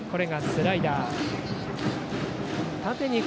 スライダー。